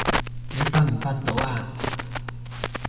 你瞓唔瞓到啊？